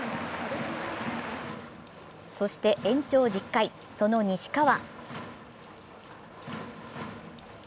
そして延長１０回、その西川。